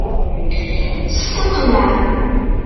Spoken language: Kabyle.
Steqneε!